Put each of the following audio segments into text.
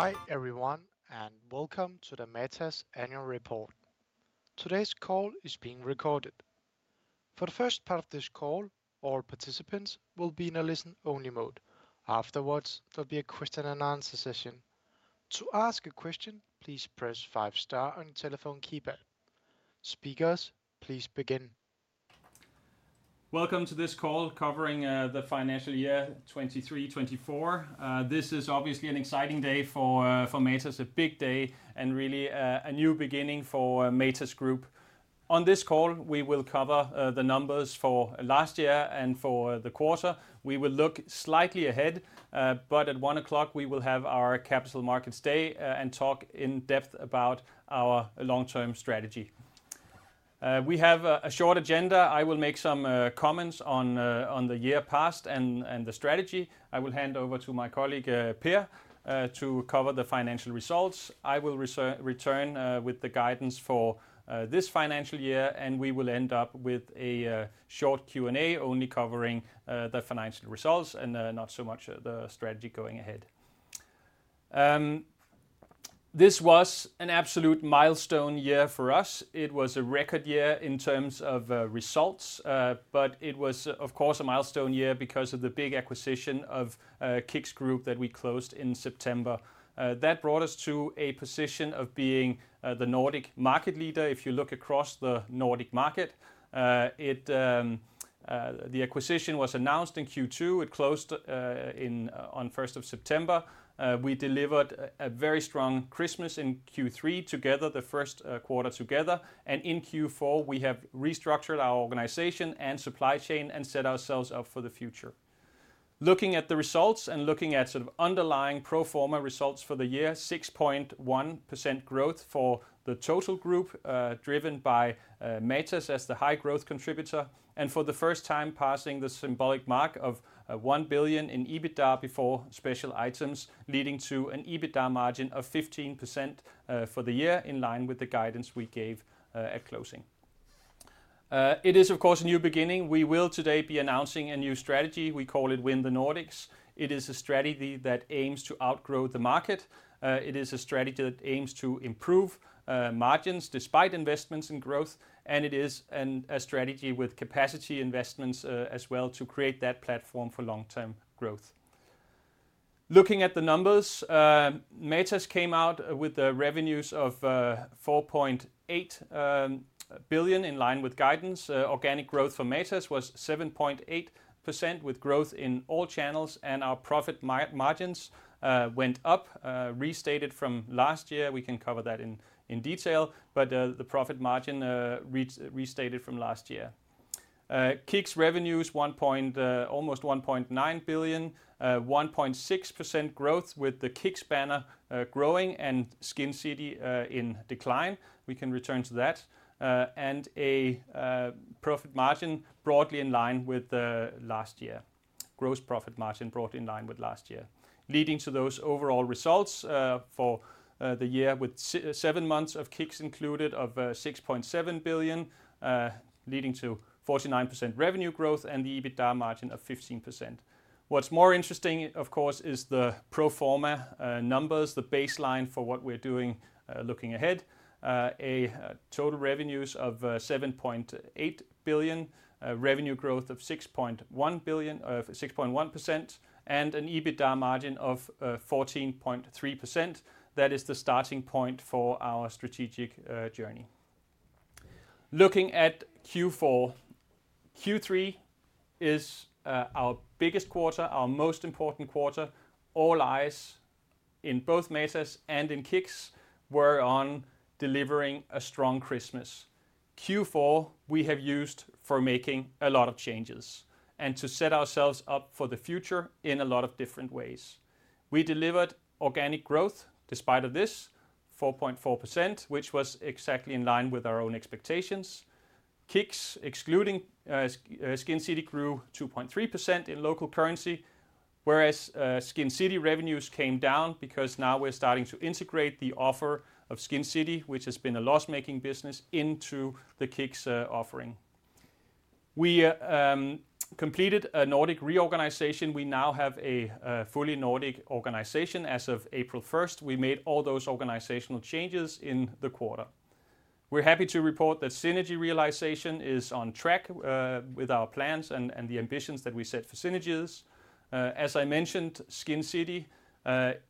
Hi, everyone, and welcome to the Matas Annual Report. Today's call is being recorded. For the first part of this call, all participants will be in a listen-only mode. Afterwards, there'll be a question-and-answer session. To ask a question, please press 5* on your telephone keypad. Speakers, please begin. Welcome to this call covering the financial year 2023, 2024. This is obviously an exciting day for Matas, a big day, and really a new beginning for Matas Group. On this call, we will cover the numbers for last year and for the quarter. We will look slightly ahead, but at 1:00, we will have our Capital Markets Day and talk in depth about our long-term strategy. We have a short agenda. I will make some comments on the year past and the strategy. I will hand over to my colleague Per to cover the financial results. I will return with the guidance for this financial year, and we will end up with a short Q&A, only covering the financial results and not so much the strategy going ahead. This was an absolute milestone year for us. It was a record year in terms of results, but it was, of course, a milestone year because of the big acquisition of KICKS Group that we closed in September. That brought us to a position of being the Nordic market leader, if you look across the Nordic market. It... The acquisition was announced in Q2. It closed in on first of September. We delivered a very strong Christmas in Q3, together, the first quarter together, and in Q4, we have restructured our organization and supply chain and set ourselves up for the future. Looking at the results and looking at sort of underlying pro forma results for the year, 6.1% growth for the total group, driven by Matas as the high-growth contributor, and for the first time, passing the symbolic mark of 1 billion in EBITDA before special items, leading to an EBITDA margin of 15%, for the year, in line with the guidance we gave at closing. It is, of course, a new beginning. We will today be announcing a new strategy. We call it Win the Nordics. It is a strategy that aims to outgrow the market. It is a strategy that aims to improve margins despite investments in growth, and it is a strategy with capacity investments as well, to create that platform for long-term growth. Looking at the numbers, Matas came out with the revenues of 4.8 billion, in line with guidance. Organic growth for Matas was 7.8%, with growth in all channels, and our profit margins went up, restated from last year. We can cover that in detail, but the profit margin restated from last year. KICKS revenues almost 1.9 billion, 1.6% growth, with the KICKS banner growing and Skincity in decline. We can return to that. And a profit margin broadly in line with last year. Gross profit margin broadly in line with last year. Leading to those overall results, for the year, with 7 months of KICKS included, of 6.7 billion, leading to 49% revenue growth and the EBITDA margin of 15%. What's more interesting, of course, is the pro forma numbers, the baseline for what we're doing, looking ahead. A total revenues of 7.8 billion, revenue growth of 6.1%, and an EBITDA margin of 14.3%. That is the starting point for our strategic journey. Looking at Q4, Q3 is our biggest quarter, our most important quarter. All eyes in both Matas and in KICKS were on delivering a strong Christmas. Q4, we have used for making a lot of changes and to set ourselves up for the future in a lot of different ways. We delivered organic growth despite of this, 4.4%, which was exactly in line with our own expectations. KICKS, excluding Skincity, grew 2.3% in local currency, whereas Skincity revenues came down because now we're starting to integrate the offer of Skincity, which has been a loss-making business, into the KICKS offering. We completed a Nordic reorganization. We now have a fully Nordic organization as of April first. We made all those organizational changes in the quarter. We're happy to report that synergy realization is on track with our plans and the ambitions that we set for synergies. As I mentioned, Skincity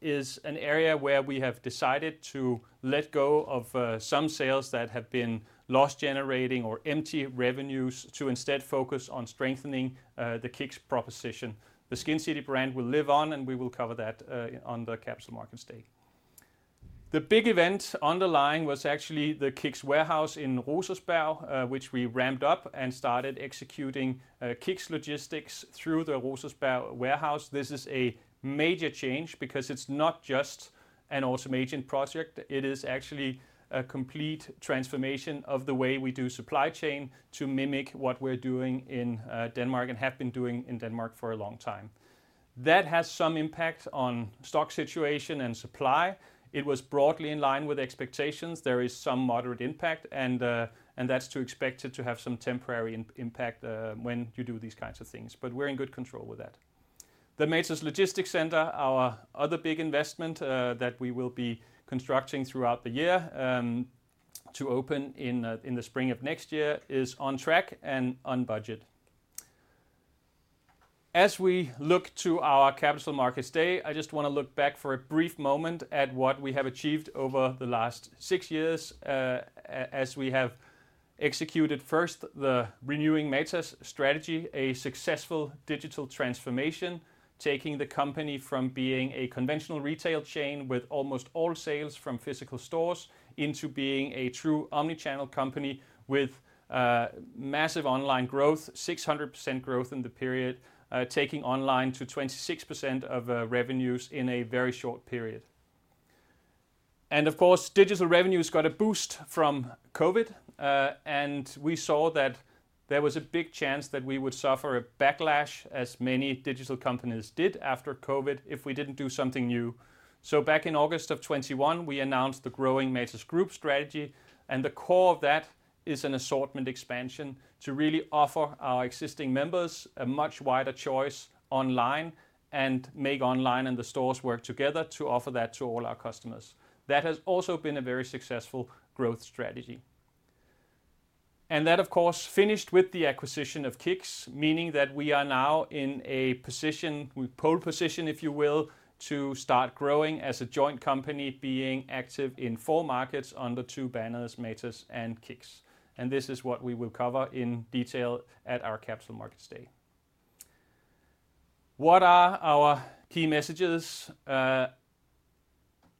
is an area where we have decided to let go of some sales that have been loss-generating or empty revenues to instead focus on strengthening the KICKS proposition. The Skincity brand will live on, and we will cover that on the Capital Markets Day. The big event underlying was actually the KICKS warehouse in Rosersberg, which we ramped up and started executing KICKS logistics through the Rosersberg warehouse. This is a major change because it's not just an automation project. It is actually a complete transformation of the way we do supply chain to mimic what we're doing in Denmark and have been doing in Denmark for a long time. That has some impact on stock situation and supply. It was broadly in line with expectations. There is some moderate impact, and, and that's to be expected to have some temporary impact, when you do these kinds of things, but we're in good control with that. The Matas Logistics Center, our other big investment, that we will be constructing throughout the year, to open in, in the spring of next year, is on track and on budget. As we look to our Capital Markets Day, I just wanna look back for a brief moment at what we have achieved over the last six years, as we have executed first, the Renewing Matas strategy, a successful digital transformation, taking the company from being a conventional retail chain with almost all sales from physical stores, into being a true omni-channel company with massive online growth, 600% growth in the period, taking online to 26% of revenues in a very short period. And of course, digital revenues got a boost from COVID. And we saw that there was a big chance that we would suffer a backlash, as many digital companies did after COVID, if we didn't do something new. So back in August of 2021, we announced the Growing Matas Group strategy, and the core of that is an assortment expansion to really offer our existing members a much wider choice online, and make online and the stores work together to offer that to all our customers. That has also been a very successful growth strategy. And that, of course, finished with the acquisition of KICKS, meaning that we are now in a position, with pole position, if you will, to start growing as a joint company, being active in four markets under two banners, Matas and KICKS. And this is what we will cover in detail at our Capital Markets Day. What are our key messages?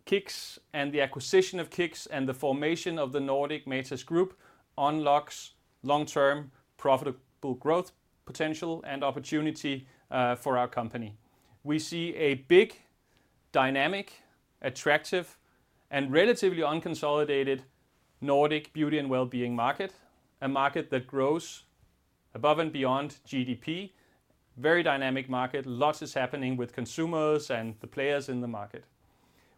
KICKS and the acquisition of KICKS, and the formation of the Nordic Matas Group unlocks long-term, profitable growth, potential, and opportunity, for our company. We see a big, dynamic, attractive, and relatively unconsolidated Nordic beauty and wellbeing market. A market that grows above and beyond GDP. Very dynamic market. Lots is happening with consumers and the players in the market.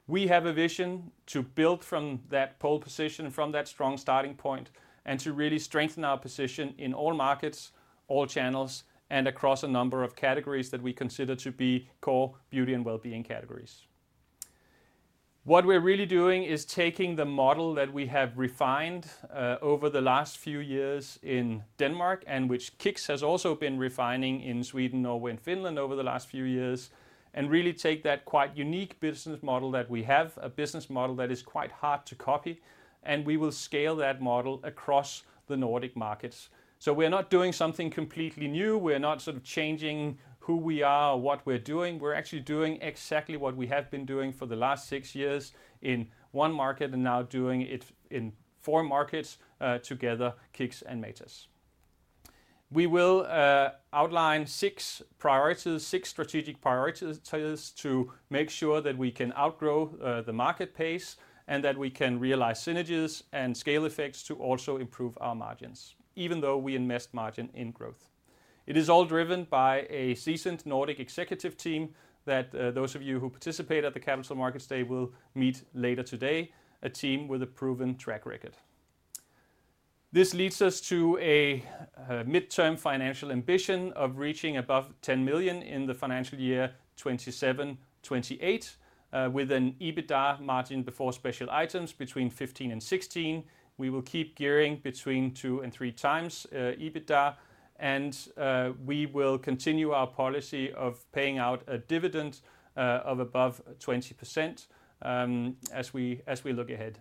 We have a vision to build from that pole position, from that strong starting point, and to really strengthen our position in all markets, all channels, and across a number of categories that we consider to be core beauty and wellbeing categories. What we're really doing is taking the model that we have refined over the last few years in Denmark, and which KICKS has also been refining in Sweden, Norway, and Finland over the last few years, and really take that quite unique business model that we have, a business model that is quite hard to copy, and we will scale that model across the Nordic markets. So, we're not doing something completely new. We're not sort of changing who we are or what we're doing. We're actually doing exactly what we have been doing for the last six years in one market, and now doing it in four markets, together, KICKS and Matas. We will outline six priorities, six strategic priorities, to make sure that we can outgrow the market pace, and that we can realize synergies and scale effects to also improve our margins, even though we invest margin in growth. It is all driven by a seasoned Nordic executive team, that those of you who participate at the Capital Markets Day will meet later today, a team with a proven track record. This leads us to a midterm financial ambition of reaching above 10 million in the financial year 2027-2028, with an EBITDA margin before special items between 15%-16%. We will keep gearing between 2-3x EBITDA, and, we will continue our policy of paying out a dividend, of above 20%, as we, as we look ahead.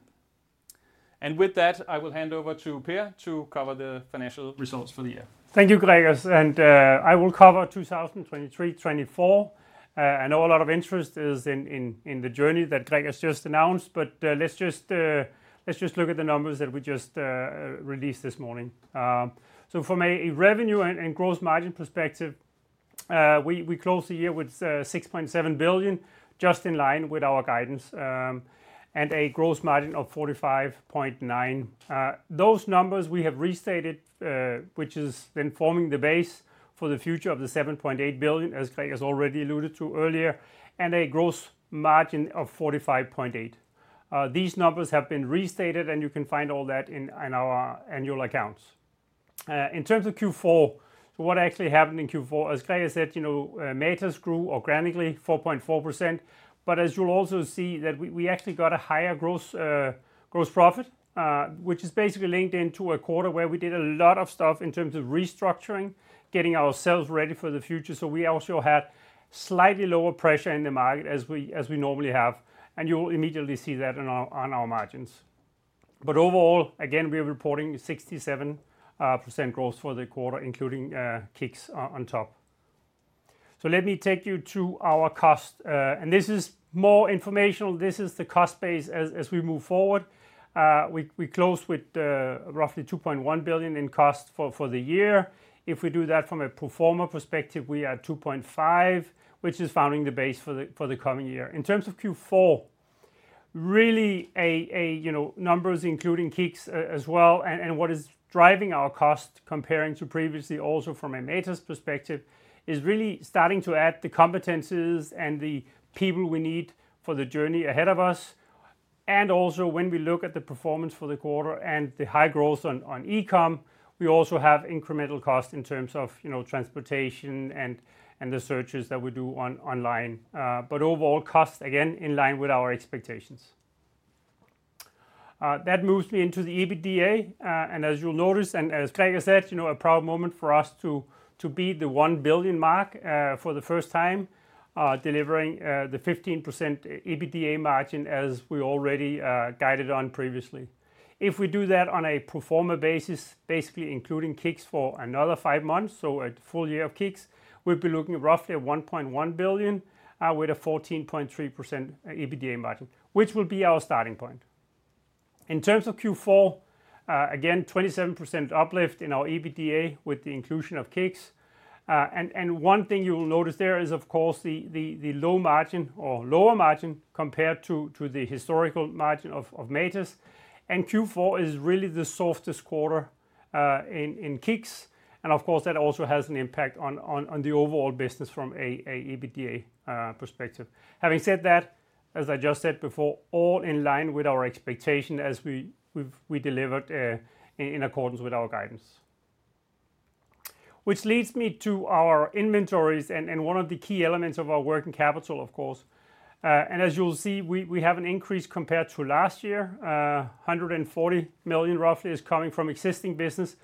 And with that, I will hand over to Per to cover the financial results for the year. Thank you, Gregers, and I will cover 2023, 2024. I know a lot of interest is in the journey that Gregers just announced, but let's just look at the numbers that we just released this morning. So, from a revenue and gross margin perspective, we closed the year with 6.7 billion, just in line with our guidance, and a gross margin of 45.9%. Those numbers we have restated, which is then forming the base for the future of the 7.8 billion, as Gregers already alluded to earlier, and a gross margin of 45.8%. These numbers have been restated, and you can find all that in our annual accounts. In terms of Q4, so what actually happened in Q4, as Gregers said, you know, Matas grew organically 4.4%, but as you'll also see, that we, we actually got a higher gross profit, which is basically linked into a quarter where we did a lot of stuff in terms of restructuring, getting ourselves ready for the future. So, we also had slightly lower pressure in the market as we normally have, and you'll immediately see that on our margins. But overall, again, we're reporting 67% growth for the quarter, including KICKS on top. So, let me take you to our costs, and this is more informational. This is the cost base as we move forward. We closed with roughly 2.1 billion in costs for the year. If we do that from a pro forma perspective, we are at 2.5, which is founding the base for the coming year. In terms of Q4, really, you know, numbers including KICKS as well, and what is driving our cost comparing to previously, also from a Matas perspective, is really starting to add the competencies and the people we need for the journey ahead of us, and also when we look at the performance for the quarter and the high growth on e-com, we also have incremental costs in terms of, you know, transportation and the searches that we do online. But overall costs, again, in line with our expectations. That moves me into the EBITDA, and as you'll notice, and as Gregers said, you know, a proud moment for us to beat the 1 billion mark for the first time, delivering the 15% EBITDA margin, as we already guided on previously. If we do that on a pro forma basis, basically including KICKS for another five months, so a full year of KICKS, we'd be looking at roughly at 1.1 billion with a 14.3% EBITDA margin, which will be our starting point. In terms of Q4, again, 27% uplift in our EBITDA with the inclusion of KICKS. And one thing you will notice there is, of course, the low margin or lower margin compared to the historical margin of Matas. Q4 is really the softest quarter in KICKS, and of course, that also has an impact on the overall business from an EBITDA perspective. Having said that, as I just said before, all in line with our expectation as we have delivered in accordance with our guidance. Which leads me to our inventories and one of the key elements of our working capital, of course. As you'll see, we have an increase compared to last year. Roughly 140 million is coming from existing business.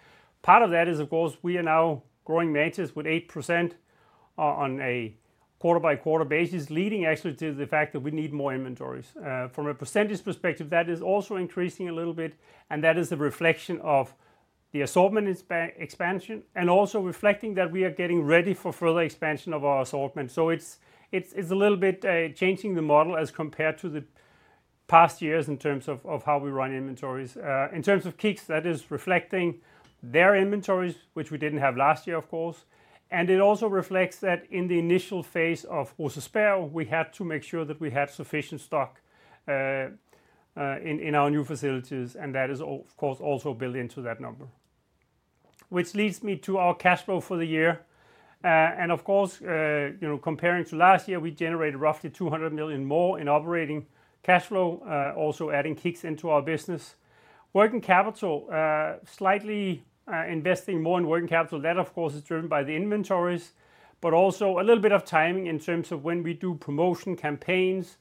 Part of that is, of course, we are now growing Matas with 8% on a quarter-by-quarter basis, leading actually to the fact that we need more inventories. From a percentage perspective, that is also increasing a little bit, and that is a reflection of the assortment expansion, and also reflecting that we are getting ready for further expansion of our assortment. So, it's a little bit changing the model as compared to the past years in terms of how we run inventories. In terms of KICKS, that is reflecting their inventories, which we didn't have last year, of course, and it also reflects that in the initial phase of Rosersberg, we had to make sure that we had sufficient stock in our new facilities, and that is, of course, also built into that number. Which leads me to our cash flow for the year. Of course, you know, comparing to last year, we generated roughly 200 million more in operating cash flow, also adding KICKS into our business. Working capital, slightly, investing more in working capital. That, of course, is driven by the inventories, but also a little bit of timing in terms of when we do promotion campaigns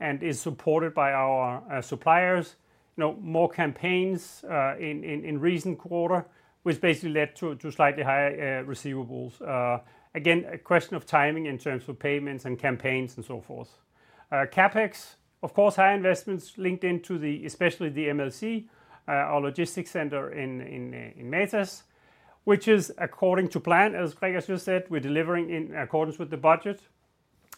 and is supported by our, suppliers. You know, more campaigns in recent quarter, which basically led to slightly higher, receivables. Again, a question of timing in terms of payments and campaigns and so forth. CapEx, of course, high investments linked into the especially the MLC, our logistics center in Matas, which is according to plan, as Gregers just said, we're delivering in accordance with the budget.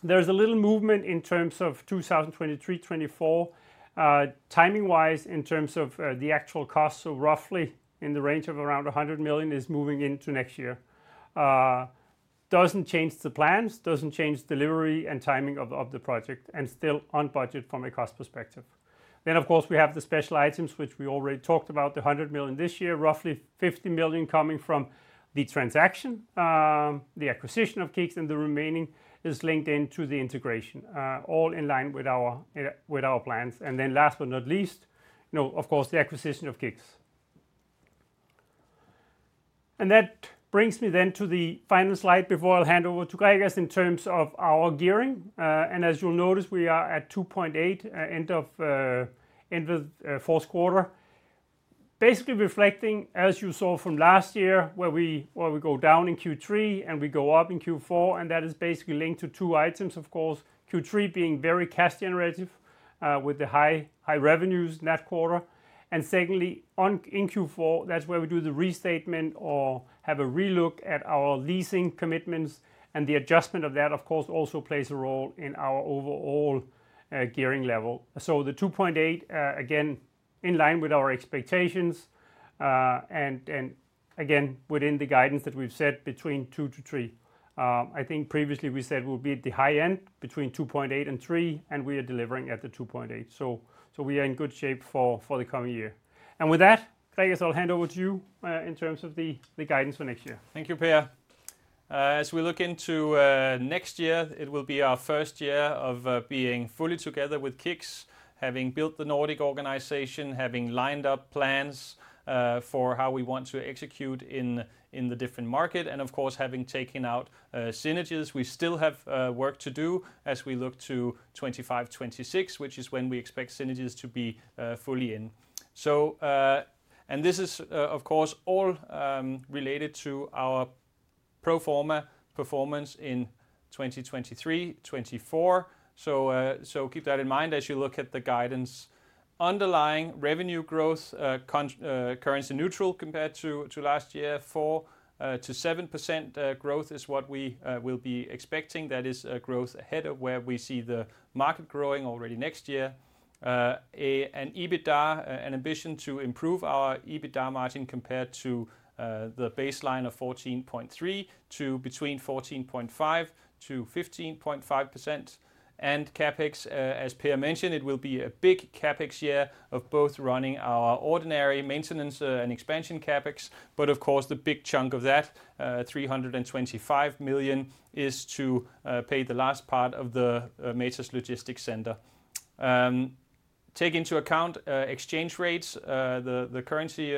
There's a little movement in terms of 2023, 2024, timing-wise, in terms of, the actual cost, so roughly in the range of around 100 million is moving into next year. Doesn't change the plans, doesn't change delivery and timing of, of the project, and still on budget from a cost perspective. Then, of course, we have the special items, which we already talked about, the 100 million this year, roughly 50 million coming from the transaction, the acquisition of KICKS, and the remaining is linked into the integration, all in line with our, with our plans. And then last but not least, you know, of course, the acquisition of KICKS. And that brings me then to the final slide before I'll hand over to Gregers in terms of our gearing. And as you'll notice, we are at 2.8 at end of fourth quarter. Basically reflecting, as you saw from last year, where we go down in Q3 and we go up in Q4, and that is basically linked to 2 items, of course. Q3 being very cash generative, with the high revenues in that quarter. And secondly, in Q4, that's where we do the restatement or have a relook at our leasing commitments, and the adjustment of that, of course, also plays a role in our overall gearing level. So the 2.8 again, in line with our expectations, and again, within the guidance that we've set between 2 to 3. I think previously we said we'll be at the high end, between 2.8 and 3, and we are delivering at the 2.8. So, we are in good shape for the coming year. And with that, Gregers, I'll hand over to you, in terms of the guidance for next year. Thank you, Per. As we look into next year, it will be our first year of being fully together with KICKS, having built the Nordic organization, having lined up plans for how we want to execute in the different market, and of course, having taken out synergies. We still have work to do as we look to 2025, 2026, which is when we expect synergies to be fully in. So, and this is of course all related to our pro forma performance in 2023, 2024. So, keep that in mind as you look at the guidance. Underlying revenue growth, constant currency neutral compared to last year, 4%-7% growth is what we will be expecting. That is a growth ahead of where we see the market growing already next year. And EBITDA, an ambition to improve our EBITDA margin compared to the baseline of 14.3 to between 14.5%-15.5%. And CapEx, as Per mentioned, it will be a big CapEx year of both running our ordinary maintenance and expansion CapEx. But of course, the big chunk of that, 325 million, is to pay the last part of the Matas Logistics Center. Take into account exchange rates, the currency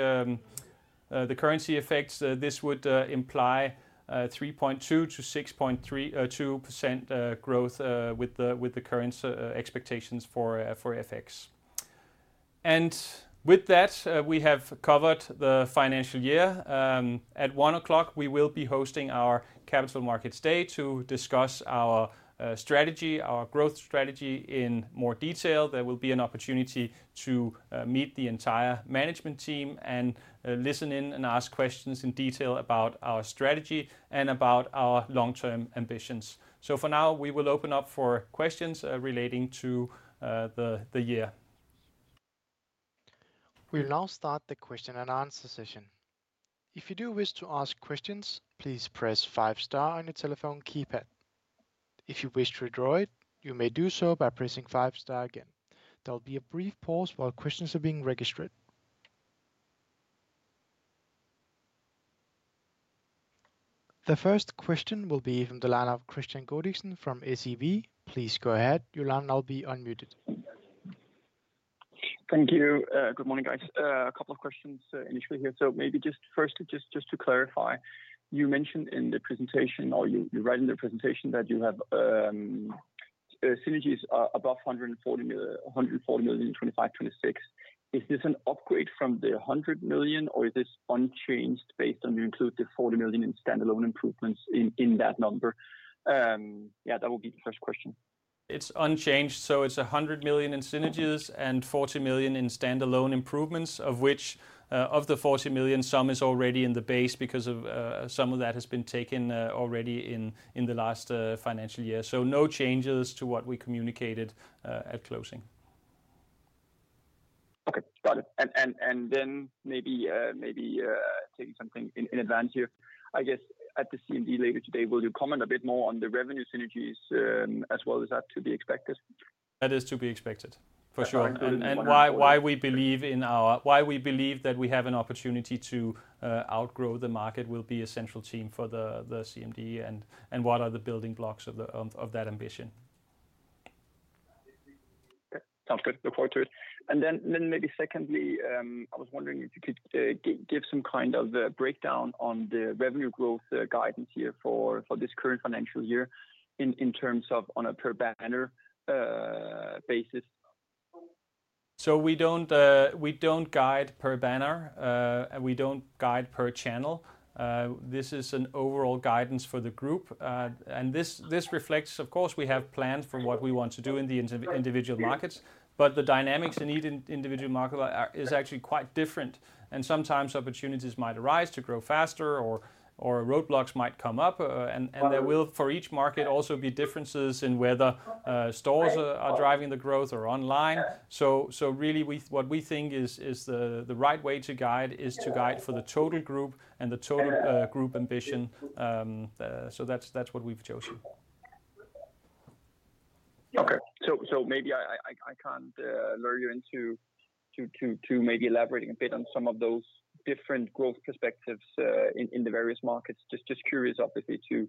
effects, this would imply 3.2%-6.32% growth with the current expectations for FX. With that, we have covered the financial year. At 1:00 P.M., we will be hosting our Capital Markets Day to discuss our strategy, our growth strategy in more detail. There will be an opportunity to meet the entire management team and listen in and ask questions in detail about our strategy and about our long-term ambitions. For now, we will open up for questions relating to the year. We'll now start the question-and-answer session. If you do wish to ask questions, please press 5 * on your telephone keypad. If you wish to withdraw it, you may do so by pressing 5 * again. There'll be a brief pause while questions are being registered. The first question will be from the line of Kristian Godiksen from SEB. Please go ahead. Your line now will be unmuted. Thank you. Good morning, guys. A couple of questions initially here. So, maybe just first, just to clarify, you mentioned in the presentation, or you write in the presentation, that you have synergies above 140 million... 140 million in 2025, 2026. Is this an upgrade from the 100 million, or is this unchanged based on you include the 40 million in standalone improvements in that number? Yeah, that will be the first question. It's unchanged, so it's 100 million in synergies and 40 million in standalone improvements, of which, of the 40 million, some is already in the base because of, some of that has been taken, already in, in the last, financial year. So no changes to what we communicated, at closing. Okay, got it. And then maybe taking something in advance here. I guess at the CMD later today, will you comment a bit more on the revenue synergies, as well as that to be expected? That is to be expected, for sure. Including the- And why we believe in our... Why we believe that we have an opportunity to outgrow the market will be a central theme for the CMD and what are the building blocks of that ambition. Okay. Sounds good. Look forward to it. And then, then maybe secondly, I was wondering if you could give some kind of a breakdown on the revenue growth guidance here for this current financial year in terms of on a per banner basis. So we don't, we don't guide per banner, and we don't guide per channel. This is an overall guidance for the group. And this reflects, of course, we have plans for what we want to do in the individual markets, but the dynamics in each individual market are actually quite different. And sometimes opportunities might arise to grow faster or roadblocks might come up, and there will, for each market, also be differences in whether stores are driving the growth or online. So really, what we think is the right way to guide is to guide for the total group and the total group ambition. So, that's what we've chosen. Okay. So, maybe I can't lure you into maybe elaborating a bit on some of those different growth perspectives in the various markets. Just curious, obviously, to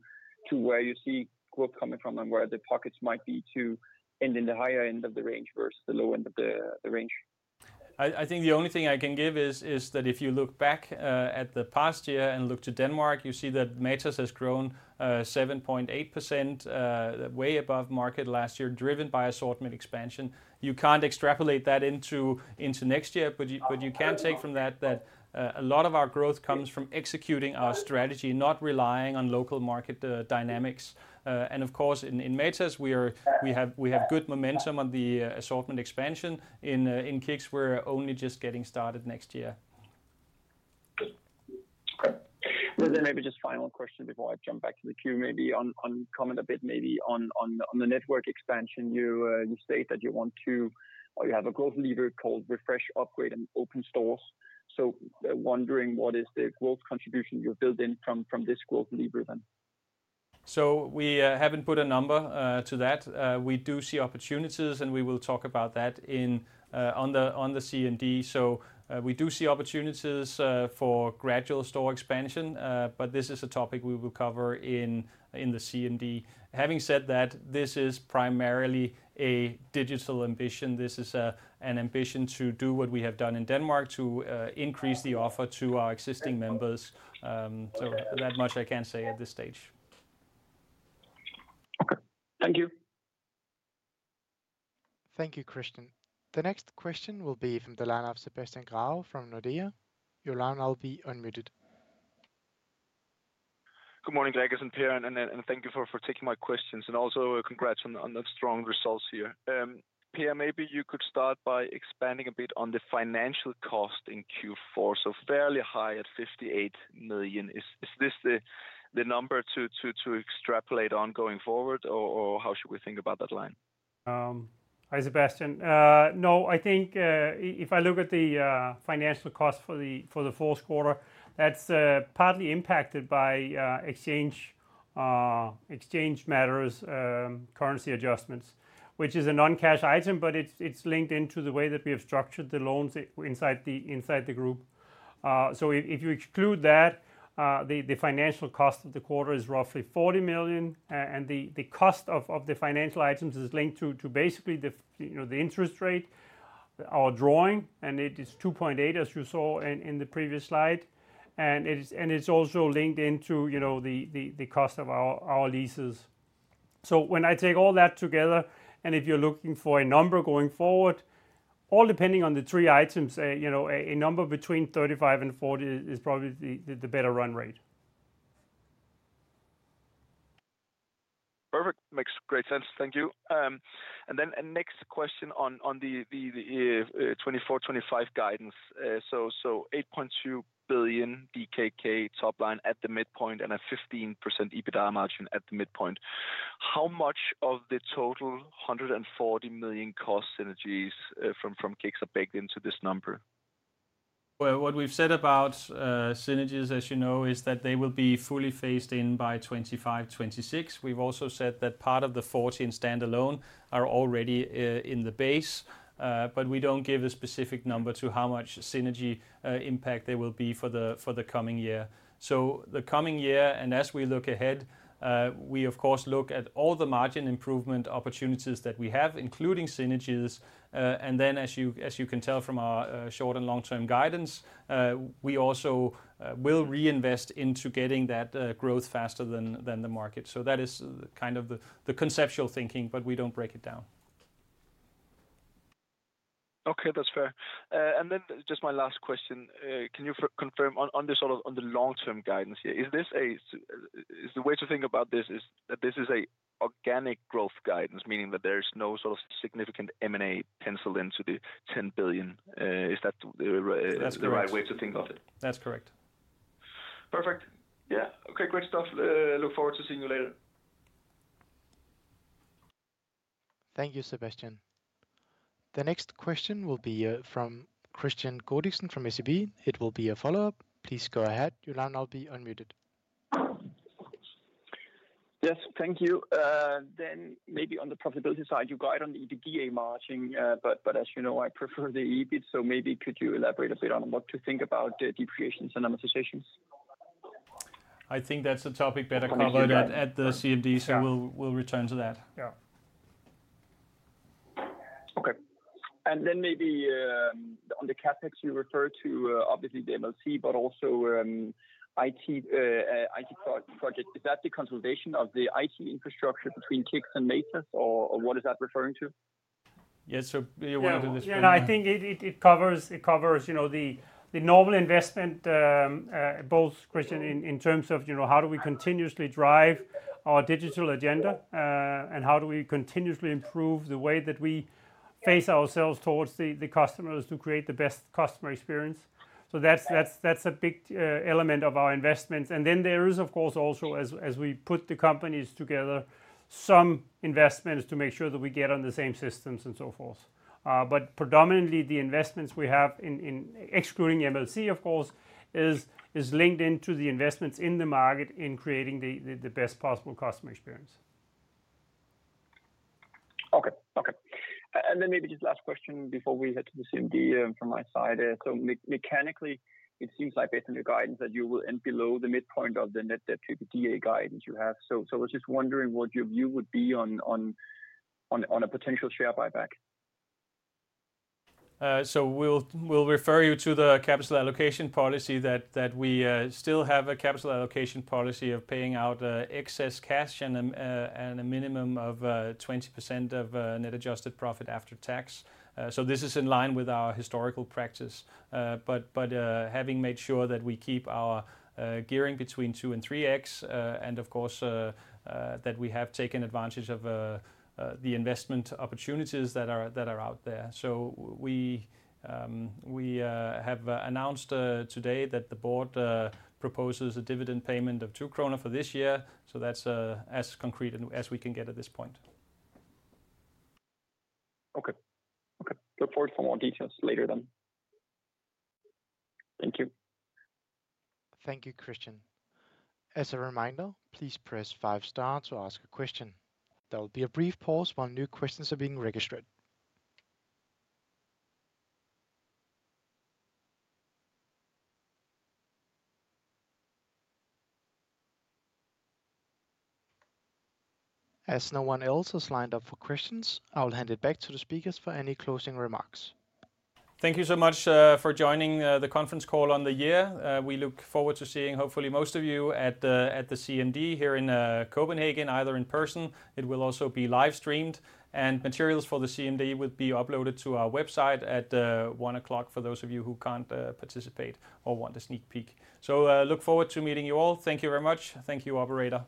where you see growth coming from and where the pockets might be to end in the higher end of the range versus the low end of the range. I think the only thing I can give is that if you look back at the past year and look to Denmark, you see that Matas has grown 7.8% way above market last year, driven by assortment expansion. You can't extrapolate that into next year, but you can take from that that a lot of our growth comes from executing our strategy, not relying on local market dynamics. And of course, in Matas, we have good momentum on the assortment expansion. In KICKS, we're only just getting started next year. Good. Great. Well, then maybe just final question before I jump back to the queue, maybe comment a bit on the network expansion. You state that you want to, or you have a growth lever called Refresh, Upgrade, and Open stores. So wondering, what is the growth contribution you build in from this growth lever then? So, we haven't put a number to that. We do see opportunities, and we will talk about that in on the CMD. So, we do see opportunities for gradual store expansion, but this is a topic we will cover in the CMD. Having said that, this is primarily a digital ambition. This is an ambition to do what we have done in Denmark, to increase the offer to our existing members. So, that much I can't say at this stage. Okay. Thank you. Thank you, Kristian. The next question will be from the line of Sebastian Grau from Nordea. Your line now will be unmuted. Good morning, Gregers and Per, and thank you for taking my questions. And also congrats on the strong results here. Per, maybe you could start by expanding a bit on the financial cost in Q4, so fairly high at 58 million. Is this the number to extrapolate on going forward, or how should we think about that line? Hi, Sebastian. No, I think, if I look at the financial cost for the fourth quarter, that's partly impacted by exchange matters, currency adjustments, which is a non-cash item, but it's linked into the way that we have structured the loans inside the group. So if you exclude that, the financial cost of the quarter is roughly 40 million, and the cost of the financial items is linked to basically the, you know, the interest rate.... our gearing, and it is 2.8, as you saw in the previous slide, and it is, and it's also linked into, you know, the cost of our leases. So, when I take all that together, and if you're looking for a number going forward, all depending on the three items, you know, a number between 35 and 40 is probably the better run rate. Perfect. Makes great sense. Thank you. And then next question on the 2024-2025 guidance. So, eight point two billion DKK top line at the midpoint and a 15% EBITDA margin at the midpoint. How much of the total 140 million DKK cost synergies from KICKS are baked into this number? Well, what we've said about synergies, as you know, is that they will be fully phased in by 2025, 2026. We've also said that part of the 14 standalone are already in the base, but we don't give a specific number to how much synergy impact there will be for the coming year. So the coming year, and as we look ahead, we of course look at all the margin improvement opportunities that we have, including synergies. And then as you can tell from our short and long-term guidance, we also will reinvest into getting that growth faster than the market. So, that is kind of the conceptual thinking, but we don't break it down. Okay, that's fair. And then just my last question, can you confirm on the sort of long-term guidance here? Is this a... Is the way to think about this is that this is an organic growth guidance, meaning that there's no sort of significant M&A penciled into the 10 billion? Is that the That's correct... the right way to think of it? That's correct. Perfect. Yeah. Okay, great stuff. Look forward to seeing you later. Thank you, Sebastian. The next question will be from Kristian Godiksen from SEB. It will be a follow-up. Please go ahead. You'll now be unmuted. Yes, thank you. Then maybe on the profitability side, you guide on the EBITDA margin, but as you know, I prefer the EBIT, so maybe could you elaborate a bit on what to think about the depreciation and amortization? I think that's a topic better covered at the CMD- Yeah. So we'll, we'll return to that. Yeah. Okay. And then maybe, on the CapEx, you referred to, obviously the MLC, but also, IT project. Is that the consolidation of the IT infrastructure between KICKS and Matas, or what is that referring to? Yeah, so, you wanna do this one? Yeah, I think it covers, you know, the normal investment, both Kristian in terms of, you know, how do we continuously drive our digital agenda, and how do we continuously improve the way that we face ourselves towards the customers to create the best customer experience. So, that's a big element of our investments. And then there is, of course, also as we put the companies together, some investments to make sure that we get on the same systems and so forth. But predominantly the investments we have in excluding MLC, of course, is linked into the investments in the market, in creating the best possible customer experience. Okay. Okay. And then maybe just last question before we head to the CMD from my side. So mechanically, it seems like based on the guidance that you will end below the midpoint of the net debt to EBITDA guidance you have. So, I was just wondering what your view would be on a potential share buyback? So, we'll refer you to the capital allocation policy that we still have a capital allocation policy of paying out excess cash and a minimum of 20% of net adjusted profit after tax. So, this is in line with our historical practice. But having made sure that we keep our gearing between 2x-3x, and of course, that we have taken advantage of the investment opportunities that are out there. So, we have announced today that the board proposes a dividend payment of 2 kroner for this year. So, that's as concrete as we can get at this point. Okay. Okay, look forward for more details later then. Thank you. Thank you, Kristian. As a reminder, please press 5 * to ask a question. There will be a brief pause while new questions are being registered. As no one else has lined up for questions, I'll hand it back to the speakers for any closing remarks. Thank you so much for joining the conference call on the year. We look forward to seeing hopefully most of you at the CMD here in Copenhagen, either in person, it will also be live streamed, and materials for the CMD will be uploaded to our website at 1:00 P.M., for those of you who can't participate or want a sneak peek. Look forward to meeting you all. Thank you very much. Thank you, operator.